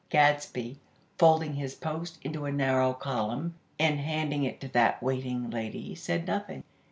Gadsby, folding his "Post" into a narrow column, and handing it to that waiting lady, said nothing.